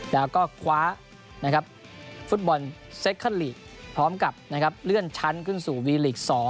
แล้วก็คว้าฟุตบอลเซคเคิลลีกพร้อมกับเลื่อนชั้นขึ้นสู่วีลีก๒